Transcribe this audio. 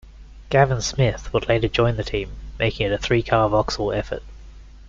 Gavin Smith would later join the team, making it a three-car Vauxhall effort.